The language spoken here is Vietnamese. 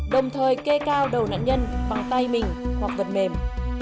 đồng thời kê cao đầu nạn nhân bằng tay mình hoặc vật mềm